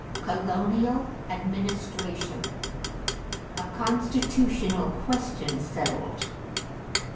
COLONIAL ADMINISTRATION =A Constitutional Question Settled.